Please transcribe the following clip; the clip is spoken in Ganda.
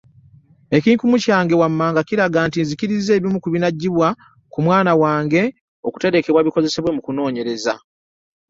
Ekinkumu kyange wammanga kiraga nti nzikkiriza ebimu ku binaggyibwa ku mwana wange okuterekebwa bikozesebwe mu kunoonyereza.